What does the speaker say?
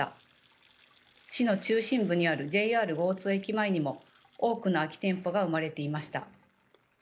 市の中心部にあるＪＲ江津駅前にも多くの空き店舗が生まれていました。